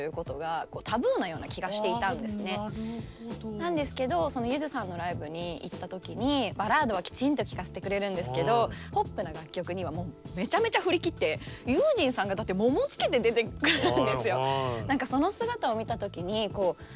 なんですけどそのゆずさんのライブに行った時にバラードはきちんと聴かせてくれるんですけどポップな楽曲にはもうめちゃめちゃ振り切って悠仁さんがだって桃をつけて出てくるんですよ。